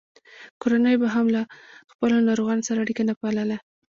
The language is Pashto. کورنیو به هم له خپلو ناروغانو سره اړیکه نه پاللـه.